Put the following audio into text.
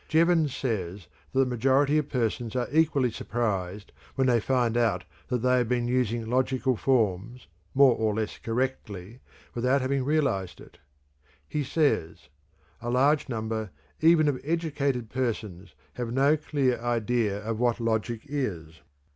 Jevons says that the majority of persons are equally surprised when they find out that they have been using logical forms, more or less correctly, without having realized it. He says: "A large number even of educated persons have no clear idea of what logic is.